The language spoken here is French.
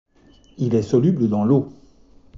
Il est soluble dans l'eau.